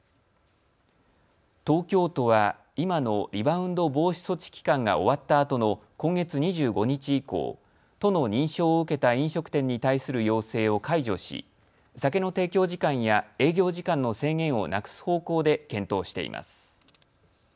東京都は今のリバウンド防止措置期間が終わったあとの今月２５日以降、都の認証を受けた飲食店に対する要請を解除し酒の提供時間や営業時間の制限をなくす方向で検討しています。